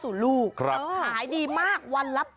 ส่วนเมนูที่ว่าคืออะไรติดตามในช่วงตลอดกิน